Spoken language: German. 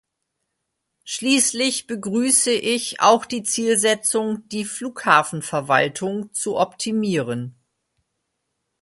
Schließlich begrüße ich auch die Zielsetzung, die Flughafenverwaltung zu optimieren.